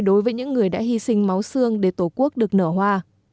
đối với những người đã hy sinh máu xương để tổ quốc được nở hoa